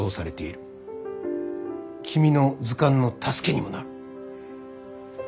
君の図鑑の助けにもなる。